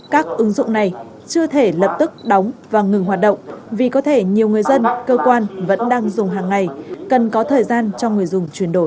các ứng dụng này chưa thể lập tức đóng và ngừng hoạt động vì có thể nhiều người dân cơ quan vẫn đang dùng hàng ngày cần có thời gian cho người dùng chuyển đổi